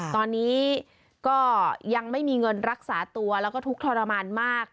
ตอนนี้ก็ยังไม่มีเงินรักษาตัวแล้วก็ทุกข์ทรมานมาก